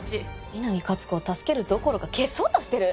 南勝子を助けるどころか消そうとしてる！？